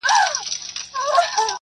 • ته به کور سې د تورمخو ځالګیو -